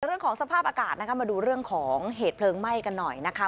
เรื่องของสภาพอากาศนะคะมาดูเรื่องของเหตุเพลิงไหม้กันหน่อยนะคะ